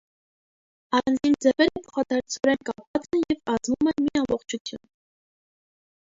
Առանձին ձևերը փոխադարձորեն կապված են և կազմում են մի ամբողջություն։